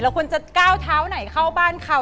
ควรจะก้าวเท้าไหนเข้าบ้านเขา